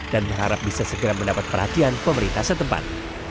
dan berharap bisa segera mendapat perhatian pemerintah setempat